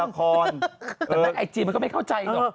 แต่เรื่องไอจีมันก็ไม่เข้าใจหรอก